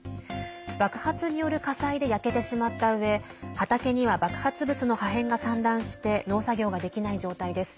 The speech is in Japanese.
爆発による火災で焼けてしまったうえ畑には爆発物の破片が散乱して農作業ができない状態です。